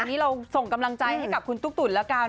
อันนี้เราส่งกำลังใจให้กับคุณตุ๊กตุ๋นแล้วกัน